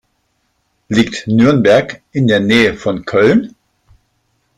Liegt Nürnberg in der Nähe von Köln?